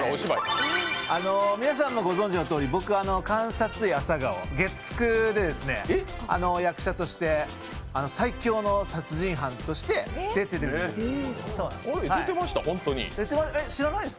皆さんもご存じのとおり僕は「監察医朝顔」、月９で役者として最凶の殺人犯として出てるんです。